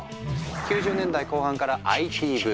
９０年代後半からＩＴブーム。